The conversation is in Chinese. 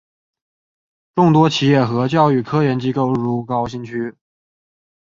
众多企业和教育科研机构入驻高新区。